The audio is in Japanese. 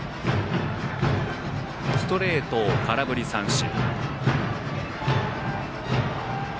ストレートを空振り三振。